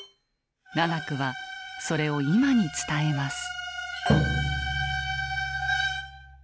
雅楽はそれを今に伝えます。